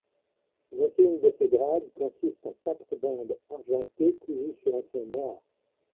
L'insigne de ce grade consiste en quatre bandes argentées cousues sur un fond noir.